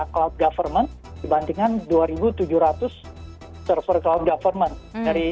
dan cloud itu sebenarnya encanta teknis lebih aman jika dikelola oleh admin yang baik